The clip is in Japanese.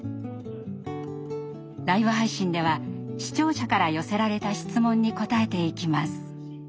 ライブ配信では視聴者から寄せられた質問に答えていきます。